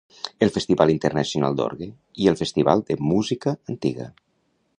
El Festival Internacional d'Orgue i el Festival de Música Antiga.